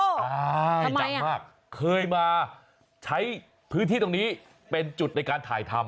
ใช่ดังมากเคยมาใช้พื้นที่ตรงนี้เป็นจุดในการถ่ายทำ